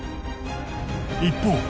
一方